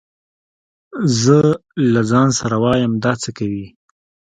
زه له ځان سره وايم دا څه کوي.